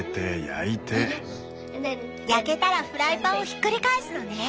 焼けたらフライパンをひっくり返すのね！